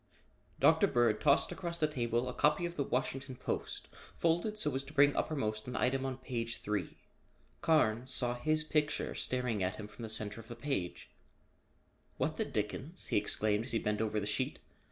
Dr. Bird tossed across the table a copy of the Washington Post folded so as to bring uppermost an item on page three. Carnes saw his picture staring at him from the center of the page. "What the dickens?" he exclaimed as he bent over the sheet.